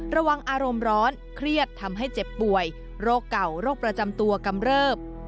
ระวังอารมณ์ร้อนเครียดทำให้เจ็บป่วยโรคเก่าโรคประจำตัวกำเริบ